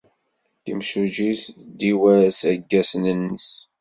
Timsujjit tdiwa-as aggasen-nnes.